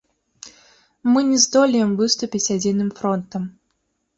Мы не здолеем выступіць адзіным фронтам.